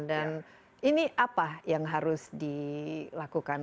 dan ini apa yang harus dilakukan